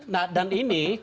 nah dan ini